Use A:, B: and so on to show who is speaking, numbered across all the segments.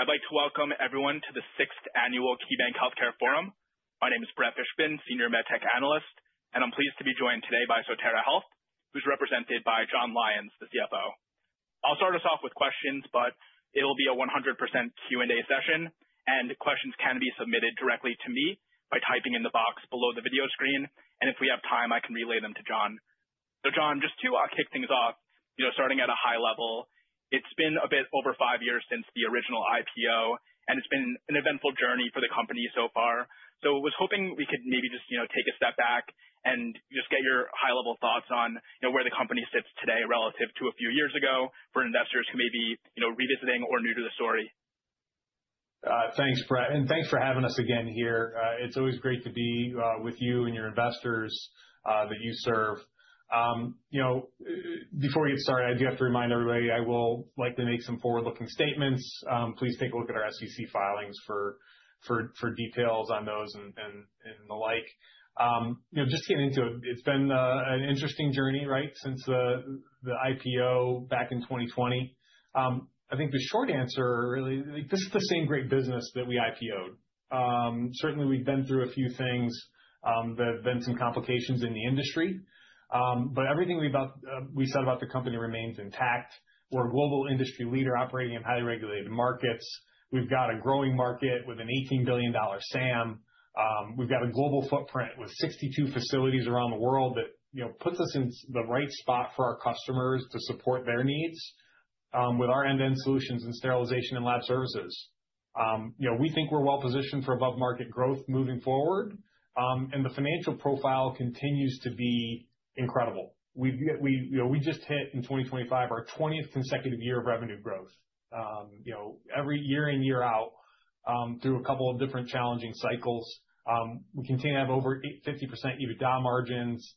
A: All right, I'd like to welcome everyone to the 6th Annual KeyBanc Healthcare Forum. My name is Brett Fishbin, Senior MedTech Analyst and I'm pleased to be joined today by Sotera Health, who's represented by Jon Lyons, the CFO. I'll start us off with questions, but it'll be a 100% Q&A session, and questions can be submitted directly to me by typing in the box below the video screen and if we have time, I can relay them to Jon. So, Jon, just to kick things off, you know, starting at a high level, it's been a bit over five years since the original IPO, and it's been an eventful journey for the company so far. I was hoping we could maybe just, you know, take a step back and just get your high level thoughts on, you know, where the company sits today relative to a few years ago for investors who may be, you know, revisiting or new to the story.
B: Thanks, Brett, and thanks for having us again here. It's always great to be with you and your investors that you serve. You know, before we get started, I do have to remind everybody I will likely make some forward-looking statements. Please take a look at our SEC filings for details on those and the like, you know, just getting into it's been an interesting journey, right, since the IPO back in 2020. I think the short answer really, like this is the same great business that we IPO'd. Certainly we've been through a few things, there have been some complications in the industry but everything we said about the company remains intact, we're a global industry leader operating in highly regulated markets. We've got a growing market with an $18 billion SAM. We've got a global footprint with 62 facilities around the world that, you know, puts us in the right spot for our customers to support their needs, with our end-to-end solutions and sterilization and lab services. You know, we think we're well positioned for above market growth moving forward, and the financial profile continues to be incredible. You know, we just hit in 2025 our 20th consecutive year of revenue growth. You know, every year in, year out, through a couple of different challenging cycles, we continue to have over 50% EBITDA margins.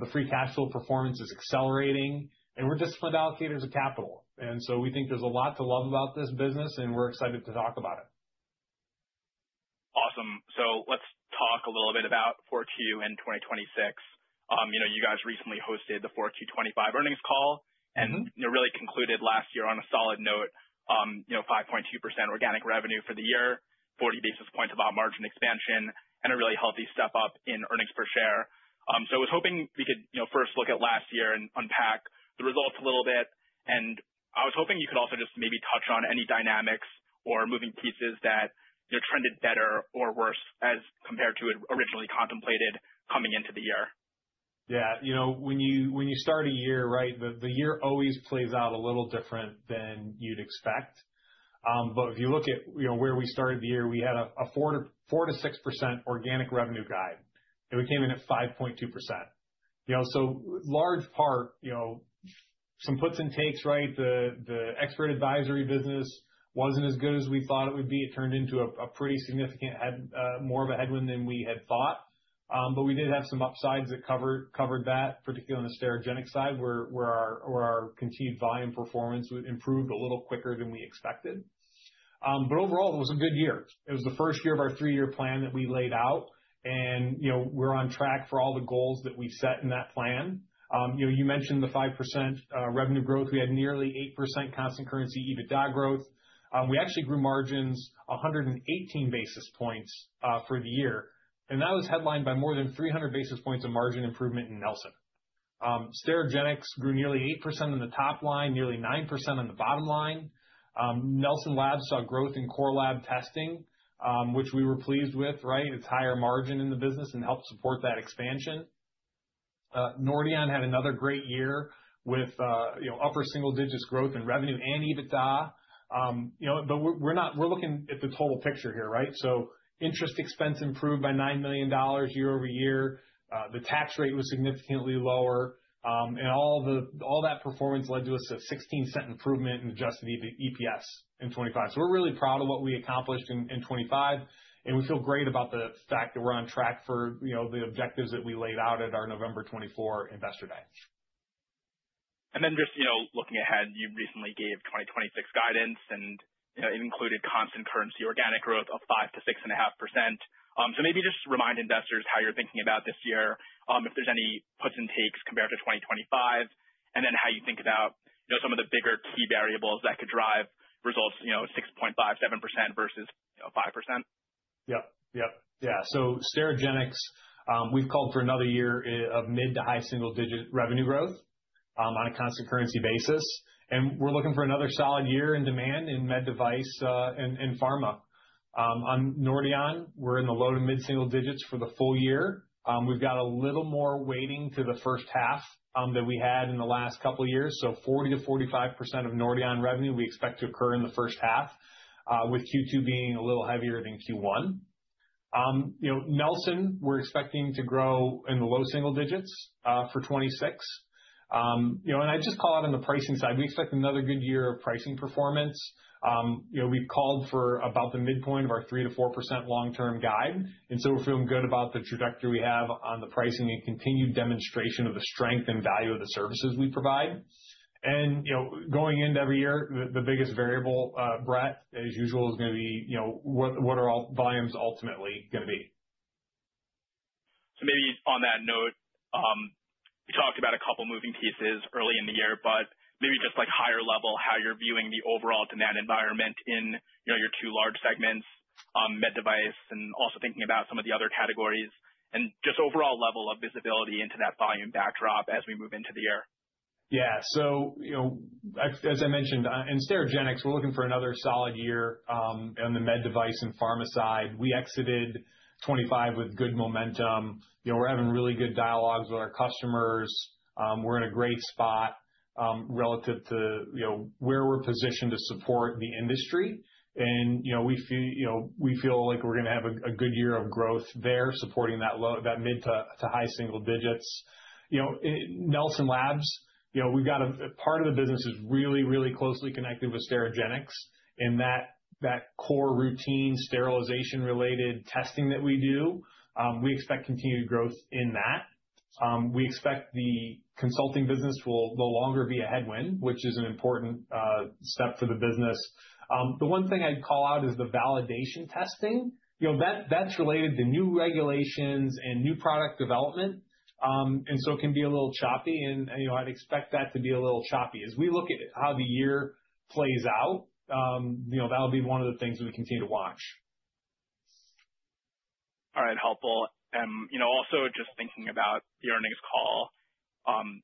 B: The free cash flow performance is accelerating, and we're disciplined allocators of capital. We think there's a lot to love about this business, and we're excited to talk about it.
A: Awesome. So let's talk a little bit about Q4 in 2026. You know, you guys recently hosted the Q4 25 earnings call.
B: Mm-hmm.
A: You know, really concluded last year on a solid note, you know, 5.2% organic revenue for the year, 40 basis points of op margin expansion, and a really healthy step up in earnings per share. I was hoping we could, you know, first look at last year and unpack the results a little bit and I was hoping you could also just maybe touch on any dynamics or moving pieces that, you know, trended better or worse as compared to originally contemplated coming into the year.
B: Yeah, you know, when you start a year, right, the year always plays out a little different than you'd expect. If you look at, you know, where we started the year, we had a 4%-6% organic revenue guide, and we came in at 5.2%, you know, so large part, you know, some puts and takes, right? The expert advisory business wasn't as good as we thought it would be. It turned into a pretty significant more of a headwind than we had thought but we did have some upsides that covered that, particularly on the Sterigenics side, where our continued volume performance improved a little quicker than we expected. Overall, it was a good year. It was the first year of our 3-year plan that we laid out and, you know, we're on track for all the goals that we set in that plan, you know, you mentioned the 5%, revenue growth. We had nearly 8% constant currency EBITDA growth. We actually grew margins 118 basis points for the year. That was headlined by more than 300 basis points of margin improvement in Nelson. Sterigenics grew nearly 8% on the top line, nearly 9% on the bottom line. Nelson Labs saw growth in core lab testing, which we were pleased with, right? It's higher margin in the business and helped support that expansion. Nordion had another great year with, you know, upper single digits growth in revenue and EBITDA. You know, we're looking at the total picture here, right? Interest expense improved by $9 million year-over-year. The tax rate was significantly lower and all that performance led to a $0.16 improvement in adjusted EPS in 2025. We're really proud of what we accomplished in 2025 and we feel great about the fact that we're on track for the objectives that we laid out at our November 24 investor day.
A: Just, you know, looking ahead, you recently gave 2026 guidance and, you know, it included constant currency organic growth of 5%-6.5%. Maybe just remind investors how you're thinking about this year, if there's any puts and takes compared to 2025 -+and then how you think about, you know, some of the bigger key variables that could drive results, you know, at 6.5%-7% versus, you know, 5%.
B: Sterigenics, we've called for another year of mid- to high-single-digit revenue growth on a constant currency basis and we're looking for another solid year in demand in med device and pharma. On Nordion, we're in the low to mid-single digits for the full year. We've got a little more weighting to the first half than we had in the last couple years so 40%-45% of Nordion revenue we expect to occur in the first half, with Q2 being a little heavier than Q1. You know, Nelson Labs, we're expecting to grow in the low single digits for 2026, you know, and I'd just call out on the pricing side, we expect another good year of pricing performance. You know, we've called for about the midpoint of our 3%-4% long-term guide, and so we're feeling good about the trajectory we have on the pricing and continued demonstration of the strength and value of the services we provide and, you know, going into every year, the biggest variable, Brett, as usual, is gonna be, you know, what are volumes ultimately gonna be?
A: Maybe on that note, you talked about a couple moving pieces early in the year, but maybe just like higher level, how you're viewing the overall demand environment in, you know, your 2 large segments, med device and also thinking about some of the other categories and just overall level of visibility into that volume backdrop as we move into the year?
B: Yeah, so, you know, as I mentioned in Sterigenics, we're looking for another solid year on the med device and pharma side, we exited 2025 with good momentum. You know, we're having really good dialogues with our customers. We're in a great spot relative to, you know, where we're positioned to support the industry. You know, we feel like we're gonna have a good year of growth there supporting that mid- to high single digits, you know, in Nelson Labs, we've got a part of the business that is really closely connected with Sterigenics in that core routine sterilization-related testing that we do. We expect continued growth in that. We expect the consulting business will no longer be a headwind, which is an important step for the business. The one thing I'd call out is the validation testing. You know, that's related to new regulations and new product development and so it can be a little choppy and, you know, I'd expect that to be a little choppy. As we look at how the year plays out, you know, that'll be one of the things we continue to watch.
A: All right. Helpful. You know, also just thinking about the earnings call,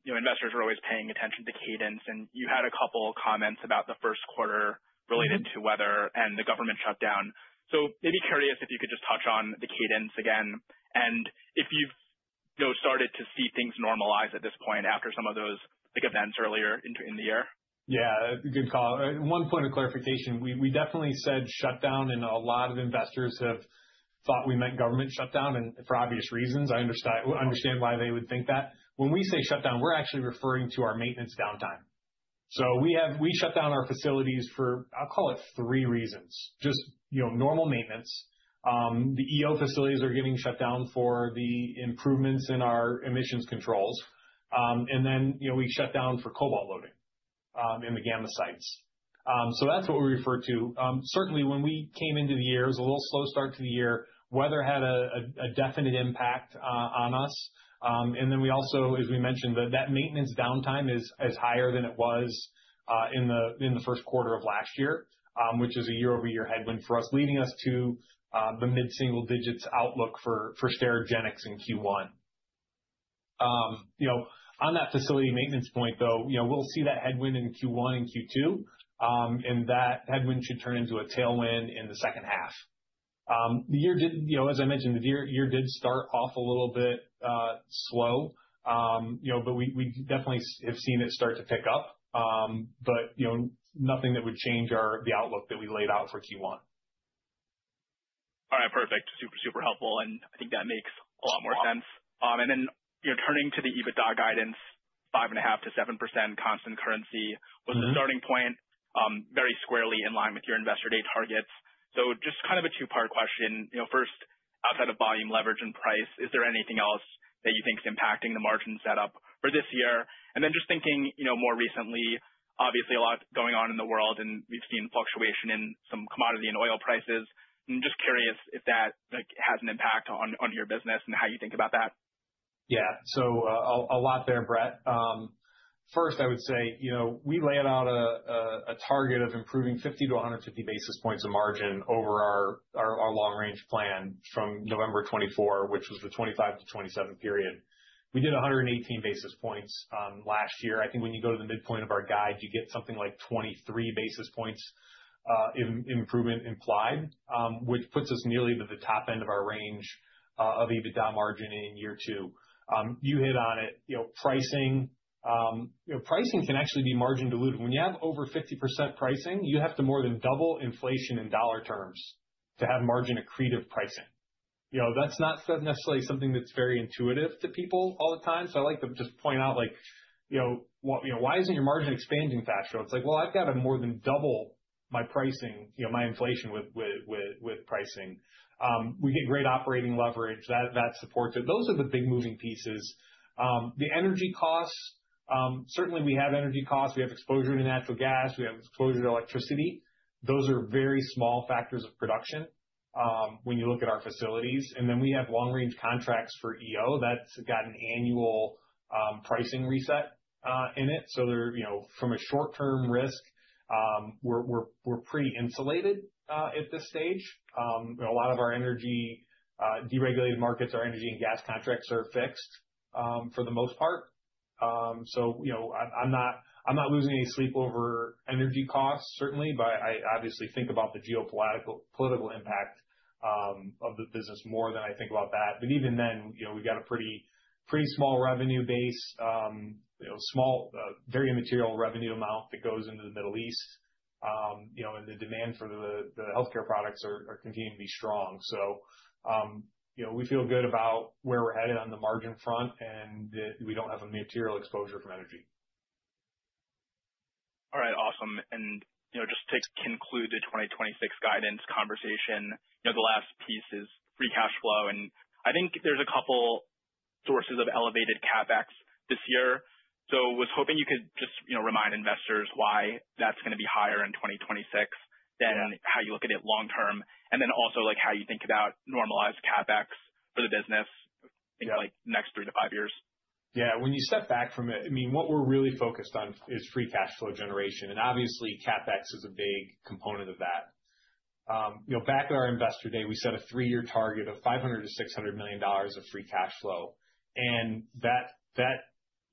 A: you know, investors are always paying attention to cadence and you had a couple comments about the Q1 related to weather and the government shutdown. So, maybe curious if you could just touch on the cadence again and if you've, you know, started to see things normalize at this point after some of those big events earlier in the year.
B: Yeah. Good call. One point of clarification, we definitely said shutdown, and a lot of investors have thought we meant government shutdown and for obvious reasons, I understand why they would think that. When we say shutdown, we're actually referring to our maintenance downtime. We shut down our facilities for, I'll call it 3 reasons. Just, you know, normal maintenance. The EO facilities are getting shut down for the improvements in our emissions controls and then, you know, we shut down for cobalt loading in the gamma sites. That's what we refer to. Certainly when we came into the year, it was a little slow start to the year. Weather had a definite impact on us. We also, as we mentioned, that maintenance downtime is higher than it was in the Q1 of last year, which is a year-over-year headwind for us, leading us to the mid-single digits outlook for Sterigenics in Q1. You know, on that facility maintenance point, though, you know, we'll see that headwind in Q1 and Q2, and that headwind should turn into a tailwind in the second half. The year did start off a little bit slow, you know, but we definitely have seen it start to pick up. You know, nothing that would change the outlook that we laid out for Q1.
A: All right. Perfect. Super, super helpful, and I think that makes a lot more sense. You know, turning to the EBITDA guidance, 5.5%-7% constant currency was the starting point, very squarely in line with your investor day targets. Just kind of a two-part question. You know, first, outside of volume leverage and price, is there anything else that you think is impacting the margin setup for this year? Just thinking, you know, more recently, obviously a lot going on in the world, and we've seen fluctuation in some commodity and oil prices. I'm just curious if that, like, has an impact on your business and how you think about that.
B: Yeah, so a lot there, Brett. First, I would say, you know, we laid out a target of improving 50-150 basis points of margin over our long-range plan from November 24, which was the 25-27 period. We did 118 basis points last year. I think when you go to the midpoint of our guide, you get something like 23 basis points improvement implied, which puts us nearly to the top end of our range of EBITDA margin in year 2. You hit on it, you know, pricing, you know, pricing can actually be margin dilutive. When you have over 50% pricing, you have to more than double inflation in dollar terms to have margin accretive pricing. You know, that's not necessarily something that's very intuitive to people all the time. I like to just point out, like, you know, you know, why isn't your margin expanding faster? It's like, well, I've got to more than double my pricing, you know, my inflation with pricing. We hit great operating leverage that supports it, those are the big moving pieces. The energy costs, certainly we have energy costs. We have exposure to natural gas. We have exposure to electricity. Those are very small factors of production, when you look at our facilities and then we have long-term contracts for EO. That's got an annual pricing reset in it. They're, you know, from a short-term risk, we're pretty insulated at this stage. A lot of our energy, deregulated markets, our energy and gas contracts are fixed, for the most part. You know, I'm not losing any sleep over energy costs certainly, but I obviously think about the geopolitical impact, of the business more than I think about that. Even then, you know, we've got a pretty small revenue base, you know, small, very immaterial revenue amount that goes into the Middle East, you know, the demand for the healthcare products are continuing to be strong. You know, we feel good about where we're headed on the margin front, and that we don't have a material exposure from energy.
A: All right. Awesome. You know, just to conclude the 2026 guidance conversation, you know, the last piece is free cash flow and I think there's a couple sources of elevated CapEx this year. So was hoping you could just, you know, remind investors why that's gonna be higher in 2026 than how you look at it long term. And then also, like, how you think about normalized CapEx for the business, you know, like next 3-5 years.
B: Yeah. When you step back from it, I mean, what we're really focused on is free cash flow generation, and obviously CapEx is a big component of that. You know, back at our investor day, we set a three-year target of $500-600 million of free cash flow and that goal,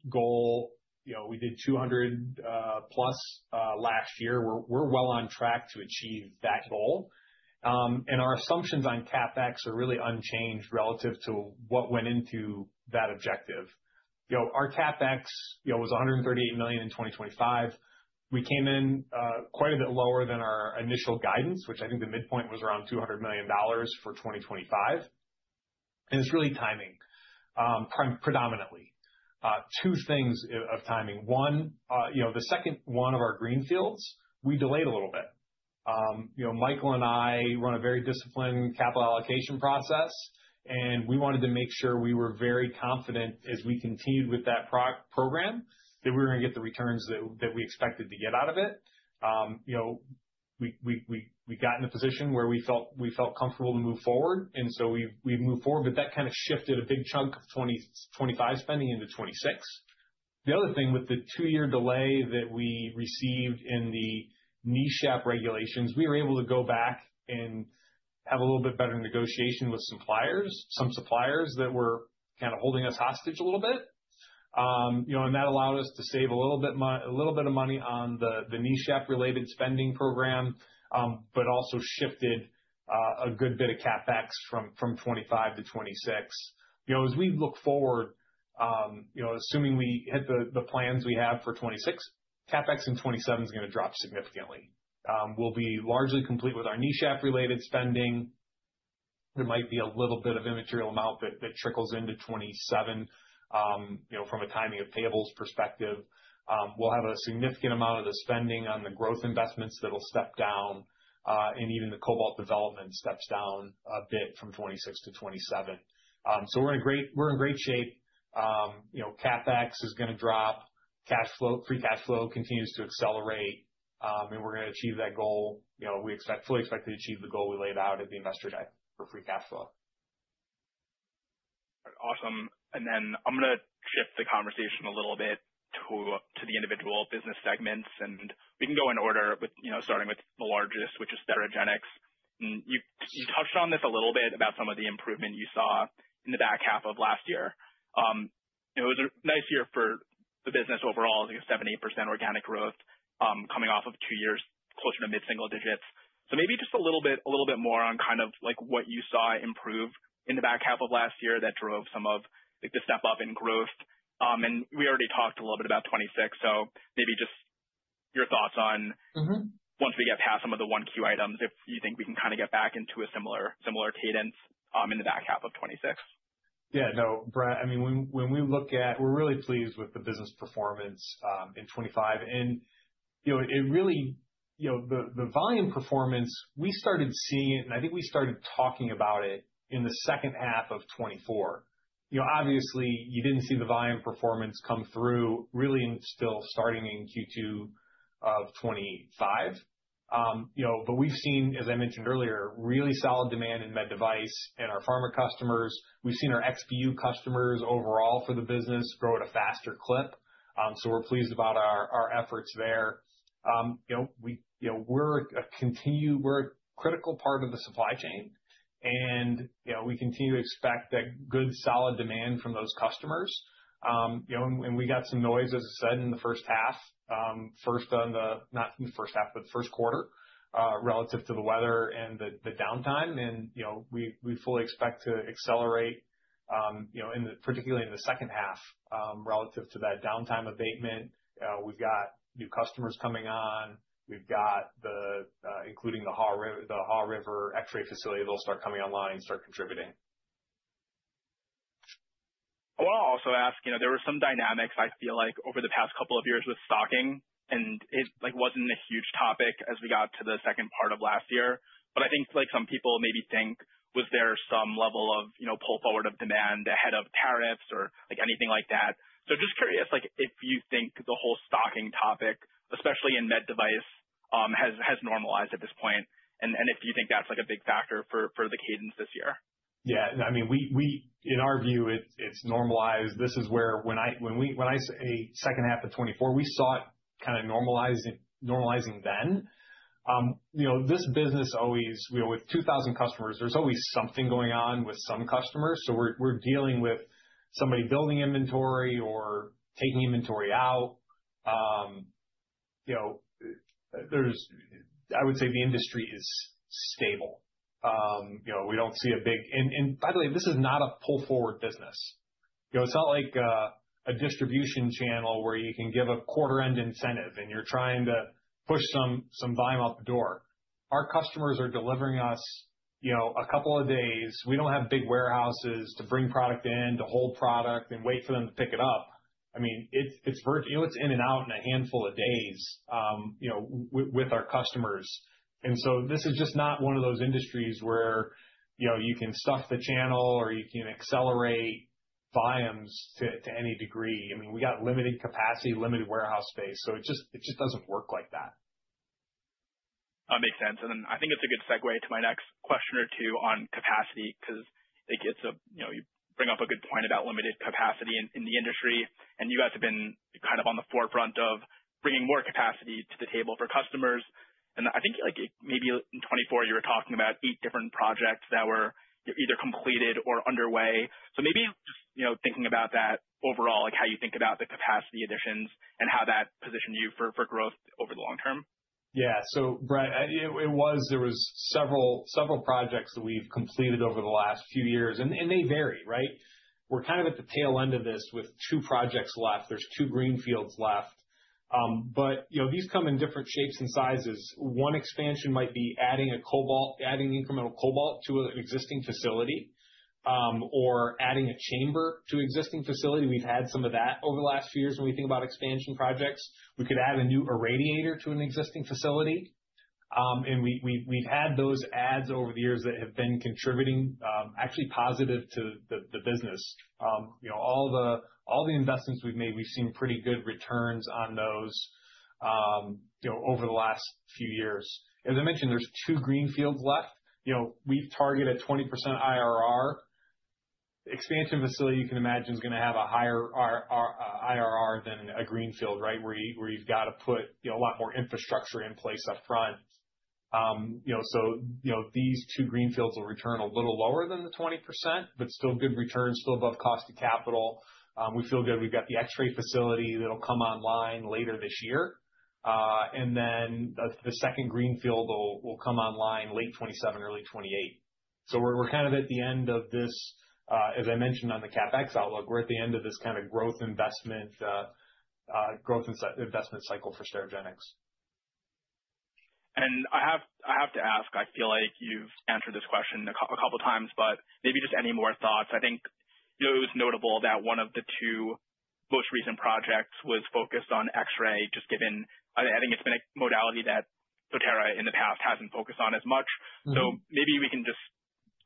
B: you know, we did $200 plus million last year, we're well on track to achieve that goal. Our assumptions on CapEx are really unchanged relative to what went into that objective. You know, our CapEx was $138 million in 2025. We came in quite a bit lower than our initial guidance, which I think the midpoint was around $200 million for 2025. It's really timing, predominantly. Two things of timing. One, you know, the second one of our greenfields we delayed a little bit. You know, Michael and I run a very disciplined capital allocation process, and we wanted to make sure we were very confident as we continued with that program that we were gonna get the returns that we expected to get out of it. You know, we got in a position where we felt comfortable to move forward, and so we moved forward, but that kind of shifted a big chunk of 2025 spending into 26. The other thing with the 2-year delay that we received in the NESHAP regulations, we were able to go back and have a little bit better negotiation with suppliers, some suppliers that were kinda holding us hostage a little bit. You know, that allowed us to save a little bit of money on the NESHAP related spending program, but also shifted a good bit of CapEx from 25-26. You know, as we look forward, you know, assuming we hit the plans we have for 26, CapEx in 27 is gonna drop significantly. We'll be largely complete with our NESHAP related spending. There might be a little bit of immaterial amount that trickles into 27, you know, from a timing of payables perspective. We'll have a significant amount of the spending on the growth investments that'll step down and even the cobalt development steps down a bit from 26-27. So we're in great shape. You know, CapEx is gonna drop. Cash flow, free cash flow continues to accelerate. We're gonna achieve that goal. You know, we fully expect to achieve the goal we laid out at the investor day for free cash flow.
A: Awesome. Then I'm gonna shift the conversation a little bit to the individual business segments and we can go in order with, you know, starting with the largest, which is Sterigenics. You touched on this a little bit about some of the improvement you saw in the back half of last year. It was a nice year for the business overall, I think 7-8% organic growth, coming off of 2 years closer to mid-single digits. Maybe just a little bit more on kind of like what you saw improve in the back half of last year that drove some of, like, the step up in growth. We already talked a little bit about 26, so maybe just your thoughts on.
B: Mm-hmm.
A: Once we get past some of the Q1 items, if you think we can kinda get back into a similar cadence in the back half of 26.
B: Yeah, no, Brett, I mean, when we look at. We're really pleased with the business performance in 25 and, you know, it really, you know, the volume performance, we started seeing it, and I think we started talking about it in the second half of 24. You know, obviously you didn't see the volume performance come through really until starting in Q2 of 25. You know, but we've seen, as I mentioned earlier, really solid demand in med device and our pharma customers. We've seen our XBU customers overall for the business grow at a faster clip. So we're pleased about our efforts there, you know, we're a critical part of the supply chain and, you know, we continue to expect that good, solid demand from those customers. You know, we got some noise, as I said in the first half, not in the first half, but the Q1, relative to the weather and the downtime and, you know, we fully expect to accelerate, particularly in the second half, relative to that downtime abatement. We've got new customers coming on. We've got, including the Haw River X-ray facility that'll start coming online and start contributing.
A: I wanna also ask, you know, there were some dynamics I feel like over the past couple of years with stocking, and it, like, wasn't a huge topic as we got to the second part of last year. I think, like, some people maybe think, was there some level of, you know, pull forward of demand ahead of tariffs or, like, anything like that? Just curious, like, if you think the whole stocking topic, especially in med device, has normalized at this point and if you think that's, like, a big factor for the cadence this year.
B: Yeah. I mean, we in our view, it's normalized. This is where when I say second half of 24, we saw it kinda normalizing then. You know, this business always, you know, with 2,000 customers, there's always something going on with some customers so we're dealing with somebody building inventory or taking inventory out. You know, I would say the industry is stable. You know, we don't see a big. By the way, this is not a pull forward business. You know, it's not like a distribution channel where you can give a quarter-end incentive and you're trying to push some volume out the door. Our customers are delivering us, you know, a couple of days. We don't have big warehouses to bring product in, to hold product, and wait for them to pick it up. I mean, you know, it's in and out in a handful of days, you know, with our customers. And so, this is just not one of those industries where, you know, you can stuff the channel or you can accelerate volumes to any degree. I mean, we got limited capacity, limited warehouse space, so it just doesn't work like that.
A: That makes sense. I think it's a good segue to my next question or two on capacity 'cause You know, you bring up a good point about limited capacity in the industry and you guys have been kind of on the forefront of bringing more capacity to the table for customers. I think, like, maybe in 24 you were talking about 8 different projects that were either completed or underway. Maybe just, you know, thinking about that overall, like how you think about the capacity additions and how that positioned you for growth over the long term.
B: Yeah. Brett, you know, there was several projects that we've completed over the last few years, and they vary, right? We're kind of at the tail end of this with 2 projects left. There's two greenfields left. But, you know, these come in different shapes and sizes. One expansion might be adding incremental cobalt to an existing facility, or adding a chamber to existing facility. We've had some of that over the last few years when we think about expansion projects. We could add a new irradiator to an existing facility. We've had those adds over the years that have been contributing, actually positive to the business. You know, all the investments we've made, we've seen pretty good returns on those, you know, over the last few years. As I mentioned, there's 2 greenfields left. You know, we target a 20% IRR. Expansion facility, you can imagine, is gonna have a higher IRR than a greenfield, right? Where you've got to put, you know, a lot more infrastructure in place upfront. You know, so, you know, these two greenfields will return a little lower than the 20%, but still good returns, still above cost of capital. We feel good, we've got the X-ray facility that'll come online later this year and then the second greenfield will come online late 27, early 28. We're kind of at the end of this, as I mentioned on the CapEx outlook, we're at the end of this kind of growth investment cycle for Sterigenics.
A: I have to ask, I feel like you've answered this question a couple times, but maybe just any more thoughts. I think, you know, it was notable that one of the two most recent projects was focused on X-ray, just given, I think it's been a modality that Sotera in the past hasn't focused on as much.
B: Mm-hmm.
A: Maybe we can just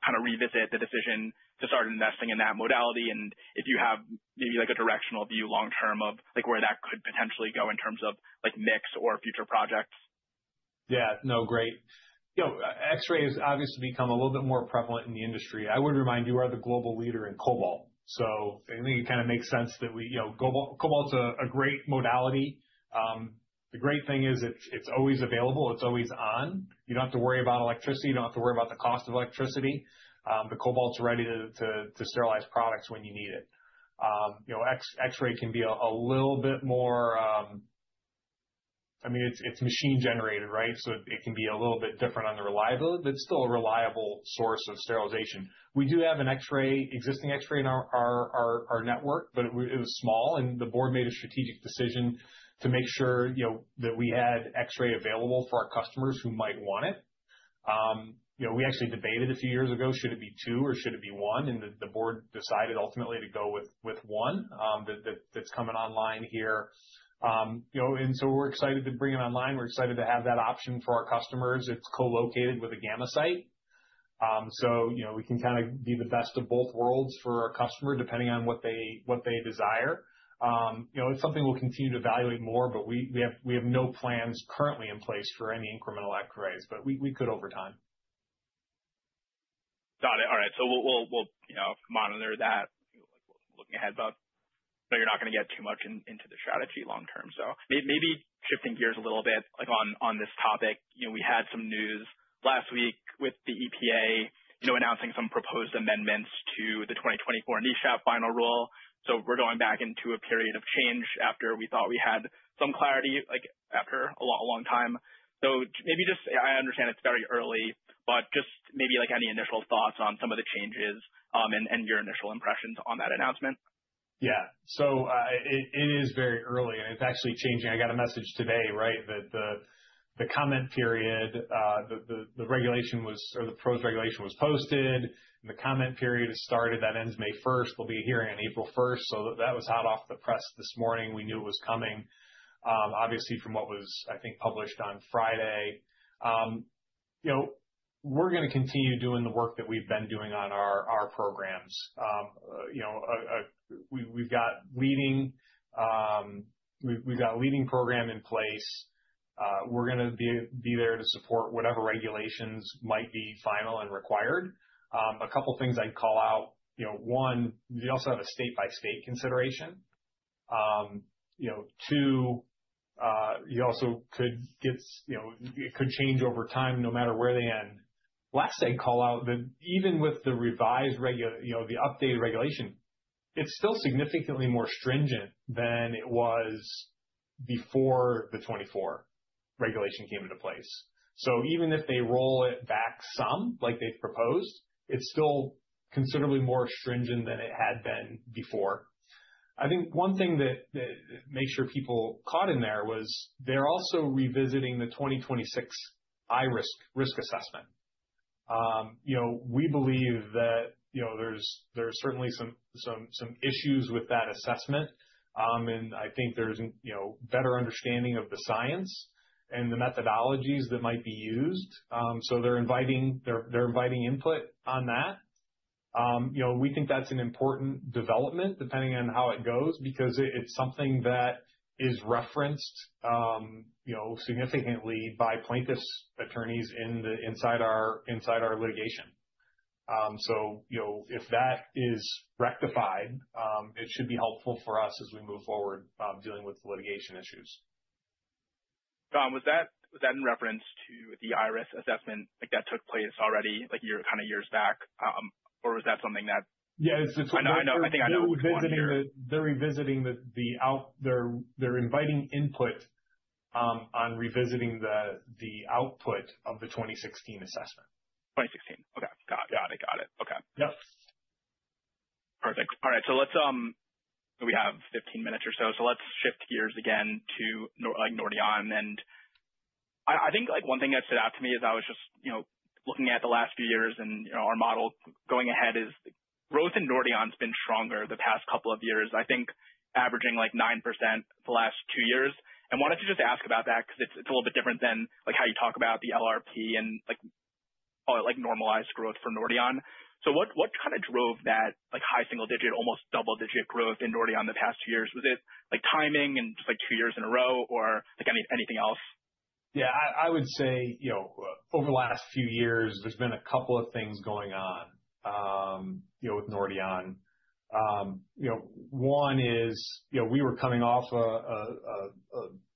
A: kind of revisit the decision to start investing in that modality, and if you have maybe like a directional view long term of like where that could potentially go in terms of like mix or future projects.
B: Yeah. No, great. You know, X-ray has obviously become a little bit more prevalent in the industry. I would remind you, we're the global leader in cobalt. I think it kind of makes sense. You know, cobalt's a great modality. The great thing is it's always available, it's always on. You don't have to worry about electricity. You don't have to worry about the cost of electricity. The cobalt's ready to sterilize products when you need it. You know, X-ray can be a little bit more. I mean, it's machine generated, right? It can be a little bit different on the reliability, but it's still a reliable source of sterilization. We do have an X-ray, existing X-ray in our network, but it was small, and the board made a strategic decision to make sure, you know, that we had X-ray available for our customers who might want it. You know, we actually debated a few years ago, should it be two or should it be one? The board decided ultimately to go with one that's coming online here. You know, we're excited to bring it online. We're excited to have that option for our customers. It's co-located with a gamma site. You know, we can kind of be the best of both worlds for our customer, depending on what they desire, you know, it's something we'll continue to evaluate more, but we have no plans currently in place for any incremental X-rays, but we could over time.
A: Got it. All right. We'll you know monitor that, you know, like looking ahead. I know you're not gonna get too much into the strategy long term. Maybe shifting gears a little bit, like, on this topic, you know, we had some news last week with the EPA, you know, announcing some proposed amendments to the 2024 NESHAP final rule. We're going back into a period of change after we thought we had some clarity, like, after a long time. Maybe just I understand it's very early, but just maybe like any initial thoughts on some of the changes, and your initial impressions on that announcement.
B: Yeah. It is very early and it's actually changing. I got a message today, right, that the comment period, the regulation was or the proposed regulation was posted and the comment period started that ends May first, there'll be a hearing April first. That was hot off the press this morning we knew it was coming. Obviously from what was, I think, published on Friday. You know, we're gonna continue doing the work that we've been doing on our programs, you know, we've got a leading program in place. We're gonna be there to support whatever regulations might be final and required. A couple things I'd call out, you know, one, we also have a state-by-state consideration. You know, too, you also could get you know, it could change over time no matter where they end. Last, I'd call out that even with the updated regulation, it's still significantly more stringent than it was before the 24 regulation came into place. Even if they roll it back some, like they've proposed, it's still considerably more stringent than it had been before. I think one thing that makes sure people caught in there was they're also revisiting the 2026 IRIS risk assessment. You know, we believe that, you know, there's certainly some issues with that assessment. I think there's, you know, better understanding of the science and the methodologies that might be used. They're inviting input on that. You know, we think that's an important development depending on how it goes because it's something that is referenced, you know, significantly by plaintiffs' attorneys inside our litigation. You know, if that is rectified, it should be helpful for us as we move forward dealing with litigation issues.
A: Jon, was that in reference to the IRIS assessment that took place already, like kind of years back? Was that something that.
B: Yeah.
A: I know, I know. I think I know.
B: They're inviting input on revisiting the output of the 2016 assessment.
A: 2016. Okay. Got it.
B: Yeah.
A: Got it. Okay.
B: Yep.
A: Perfect. All right. Let's, we have 15 minutes or so let's shift gears again to like Nordion. I think like one thing that stood out to me as I was just, you know, looking at the last few years and, you know, our model going ahead is growth in Nordion has been stronger the past couple of years, I think averaging like 9% the last 2 years. I wanted to just ask about that because it's a little bit different than, like, how you talk about the LRP and like, or like normalized growth for Nordion. What kind of drove that, like, high single digit, almost double-digit growth in Nordion the past two years? Was it, like, timing and just like 2 years in a row or like anything else?
B: Yeah, I would say, you know, over the last few years, there's been a couple of things going on, you know, with Nordion. You know, one is, you know, we were coming off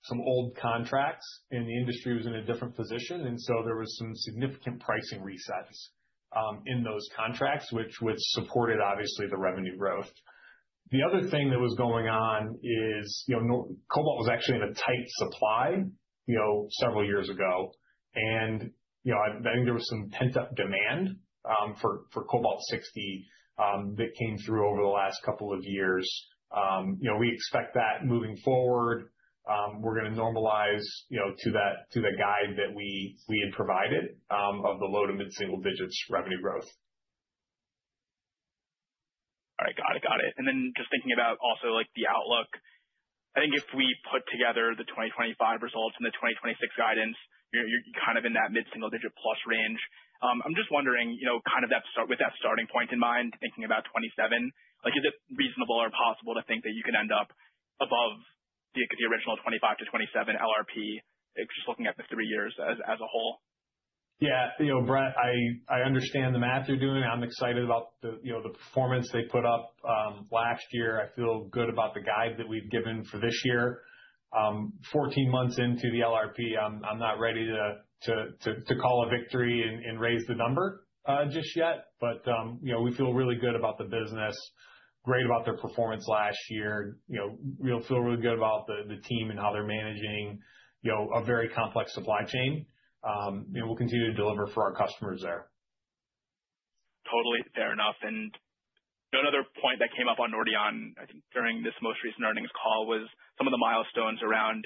B: some old contracts, and the industry was in a different position, and so there was some significant pricing resets in those contracts, which supported obviously the revenue growth. The other thing that was going on is, you know, Cobalt was actually in a tight supply, you know, several years ago. You know, I think there was some pent-up demand for Cobalt-60 that came through over the last couple of years. You know, we expect that moving forward, we're gonna normalize, you know, to that, to the guide that we had provided of the low-to-mid single digits revenue growth.
A: All right. Got it. Then just thinking about also like the outlook. I think if we put together the 2025 results and the 2026 guidance, you know, you're kind of in that mid-single digit plus range. I'm just wondering, you know, kind of with that starting point in mind, thinking about 27, like is it reasonable or possible to think that you can end up above the original 25-27 LRP, just looking at the 3 years as a whole?
B: Yeah. You know, Brett, I understand the math you're doing. I'm excited about the, you know, the performance they put up last year. I feel good about the guide that we've given for this year. 14 months into the LRP, I'm not ready to call a victory and raise the number just yet. You know, we feel really good about the business, great about their performance last year. You know, we feel really good about the team and how they're managing a very complex supply chain. You know, we'll continue to deliver for our customers there.
A: Totally, fair enough. Another point that came up on Nordion, I think during this most recent earnings call, was some of the milestones around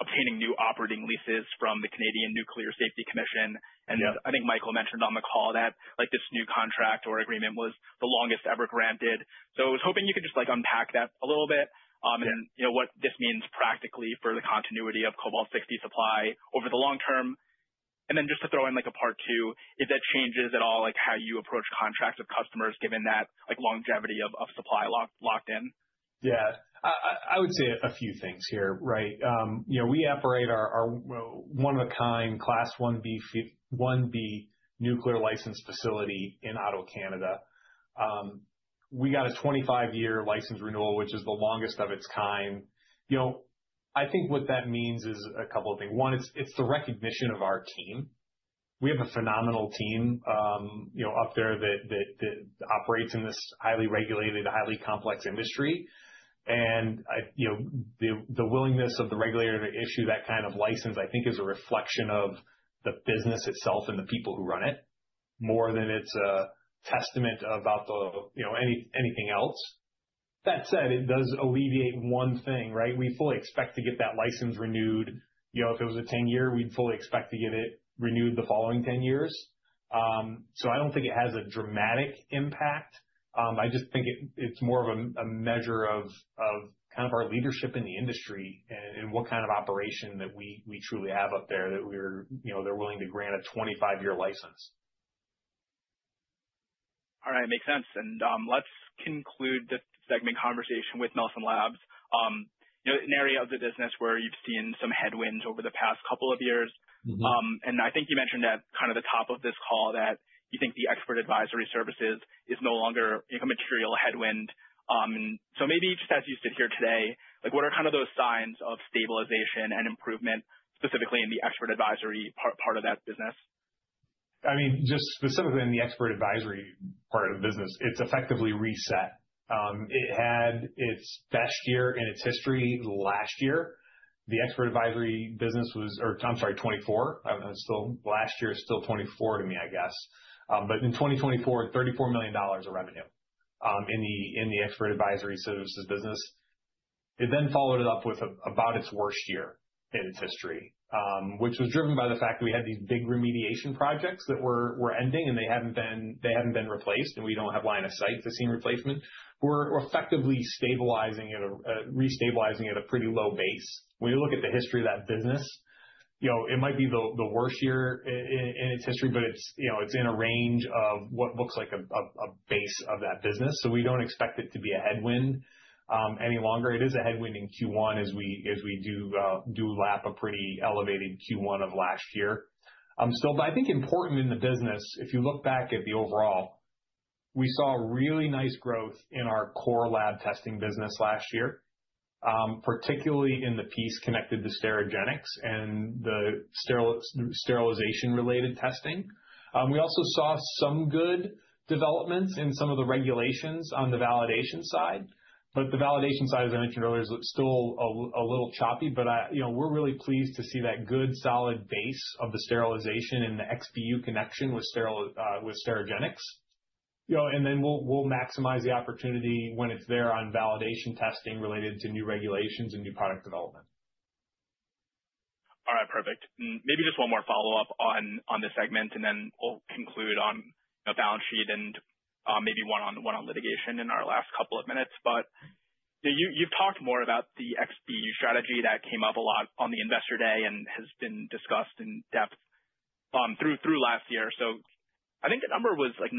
A: obtaining new operating leases from the Canadian Nuclear Safety Commission.
B: Yeah.
A: I think Michael mentioned on the call that, like, this new contract or agreement was the longest ever granted so I was hoping you could just like unpack that a little bit.
B: Yeah.
A: You know, what this means practically for the continuity of Cobalt-60 supply over the long term. Then just to throw in like a part two, if that changes at all, like how you approach contracts with customers given that like longevity of supply locked in.
B: Yeah. I would say a few things here, right? You know, we operate our one of a kind Class 1B nuclear licensed facility in Ottawa, Canada. We got a 25-year license renewal, which is the longest of its kind. You know, I think what that means is a couple of things. One, it's the recognition of our team. We have a phenomenal team, you know, up there that operates in this highly regulated, highly complex industry. You know, the willingness of the regulator to issue that kind of license, I think is a reflection of the business itself and the people who run it more than it's a testament about the, you know, anything else. That said, it does alleviate one thing, right? We fully expect to get that license renewed. You know, if it was a 10-year, we'd fully expect to get it renewed the following 10 years. I don't think it has a dramatic impact. I just think it's more of a measure of kind of our leadership in the industry and what kind of operation that we truly have up there that we're, you know, they're willing to grant a 25-year license.
A: All right. Makes sense. Let's conclude this segment conversation with Nelson Labs. You know, an area of the business where you've seen some headwinds over the past couple of years.
B: Mm-hmm.
A: I think you mentioned at kind of the top of this call that you think the expert advisory services is no longer, like, a material headwind. Maybe just as you sit here today, like what are kind of those signs of stabilization and improvement, specifically in the expert advisory part of that business?
B: I mean, just specifically in the expert advisory part of the business, it's effectively reset. It had its best year in its history last year. The expert advisory business or I'm sorry, 24. Last year is still 24 to me, I guess. In 2024, $34 million of revenue in the expert advisory services business. It then followed it up with about its worst year in its history, which was driven by the fact that we had these big remediation projects that were ending and they hadn't been replaced, and we don't have line of sight to see replacement we're effectively restabilizing it at a pretty low base. When you look at the history of that business, you know, it might be the worst year in its history, but you know, it's in a range of what looks like a base of that business, so we don't expect it to be a headwind any longer. It is a headwind in Q1 as we do lap a pretty elevated Q1 of last year. I think important in the business, if you look back at the overall, we saw really nice growth in our core lab testing business last year, particularly in the piece connected to Sterigenics and the sterilization-related testing. We also saw some good developments in some of the regulations on the validation side, but the validation side, as I mentioned earlier, is still a little choppy. You know, we're really pleased to see that good, solid base of the sterilization and the XBU connection with Sterigenics, you know, and then we'll maximize the opportunity when it's there on validation testing related to new regulations and new product development.
A: All right, perfect. Maybe just one more follow-up on this segment and then we'll conclude on the balance sheet and maybe one on litigation in our last couple of minutes. Yeah, you've talked more about the XBU strategy that came up a lot on the Investor Day and has been discussed in depth through last year. I think the number was like 9%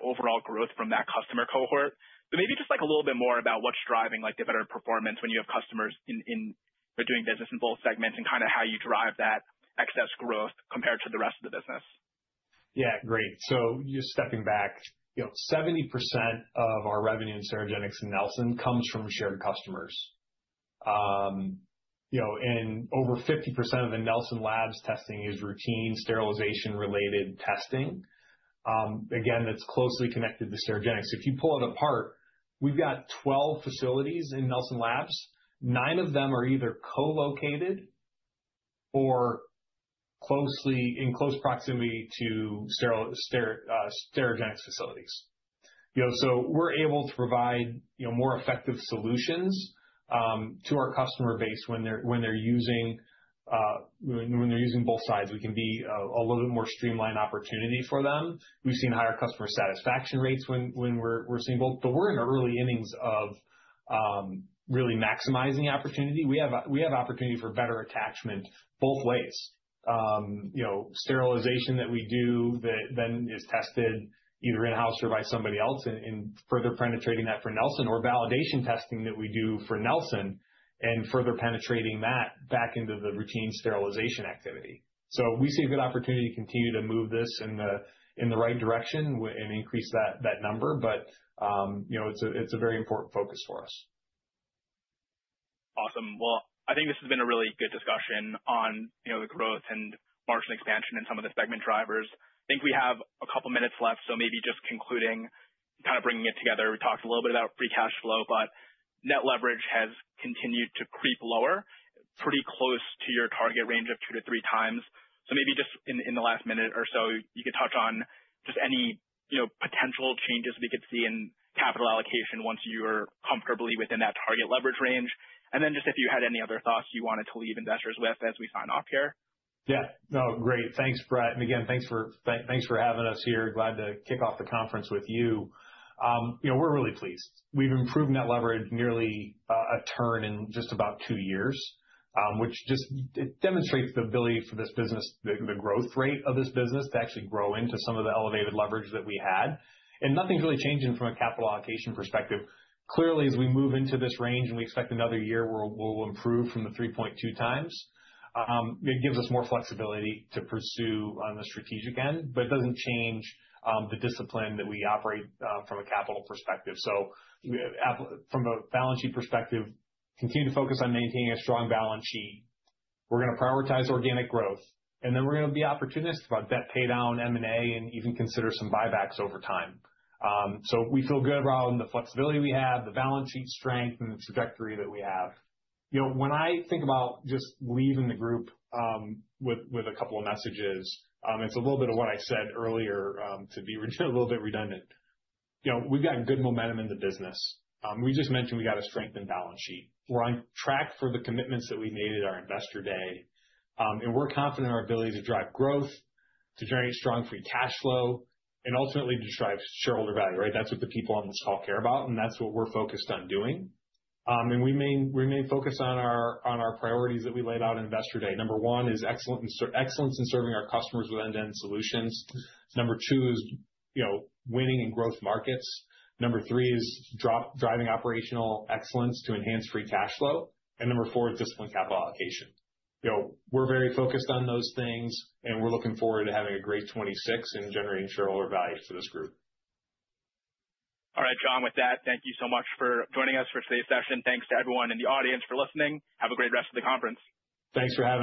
A: overall growth from that customer cohort. Maybe just like a little bit more about what's driving like the better performance when you have customers are doing business in both segments and kinda how you derive that excess growth compared to the rest of the business.
B: Yeah, great. Just stepping back, you know 70% of our revenue in Sterigenics and Nelson comes from shared customers. You know, and over 50% of the Nelson Labs testing is routine sterilization-related testing. Again, that's closely connected to Sterigenics. If you pull it apart, we've got 12 facilities in Nelson Labs. 9 of them are either co-located or closely in close proximity to Sterigenics facilities. Yeah, so, you know, so we're able to provide, you know, more effective solutions to our customer base when they're using both sides. We can be a little bit more streamlined opportunity for them. We've seen higher customer satisfaction rates when we're seeing both. We're in the early innings of really maximizing opportunity. We have opportunity for better attachment both ways. You know, sterilization that we do that then is tested either in-house or by somebody else and further penetrating that for Nelson or validation testing that we do for Nelson and further penetrating that back into the routine sterilization activity so we see a good opportunity to continue to move this in the right direction and increase that number. You know, it's a very important focus for us.
A: Awesome. Well, I think this has been a really good discussion on, you know, the growth and margin expansion and some of the segment drivers. I think we have a couple minutes left, so maybe just concluding, kind of bringing it together, we talked a little bit about free cash flow, but net leverage has continued to creep lower, pretty close to your target range of two to three times. So maybe just in the last minute or so, you could touch on just any, you know, potential changes we could see in capital allocation once you're comfortably within that target leverage range. Just if you had any other thoughts you wanted to leave investors with as we sign off here.
B: Yeah. No, great. Thanks, Brett and again, thanks for having us here. Glad to kick off the conference with you. You know, we're really pleased, we've improved net leverage nearly a turn in just about two years, which just it demonstrates the ability for this business, the growth rate of this business, to actually grow into some of the elevated leverage that we had. Nothing's really changing from a capital allocation perspective. Clearly, as we move into this range and we expect another year where we'll improve from the 3.2 times, it gives us more flexibility to pursue on the strategic end, but it doesn't change the discipline that we operate from a capital perspective so from a balance sheet perspective, continue to focus on maintaining a strong balance sheet. We're gonna prioritize organic growth, and then we're gonna be opportunistic about debt paydown, M&A, and even consider some buybacks over time. We feel good around the flexibility we have, the balance sheet strength, and the trajectory that we have. You know, when I think about just leaving the group with a couple of messages, it's a little bit of what I said earlier to be a little bit redundant. You know, we've gotten good momentum in the business. We just mentioned we got a strengthened balance sheet. We're on track for the commitments that we made at our Investor Day. We're confident in our ability to drive growth, to generate strong free cash flow, and ultimately to drive shareholder value, right? That's what the people on this call care about, and that's what we're focused on doing. We remain focused on our priorities that we laid out in Investor Day. Number one is excellence in serving our customers with end-to-end solutions. Number two is, you know, winning in growth markets. Number three is driving operational excellence to enhance free cash flow. Number four is disciplined capital allocation, you know, we're very focused on those things, and we're looking forward to having a great 26 and generating shareholder value to this group.
A: All right. Jon, with that, thank you so much for joining us for today's session. Thanks to everyone in the audience for listening, have a great rest of the conference.
B: Thanks for having.